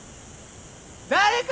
誰か！